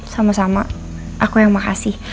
sama sama aku yang makasih